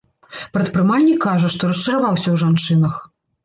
Прадпрымальнік кажа, што расчараваўся ў жанчынах.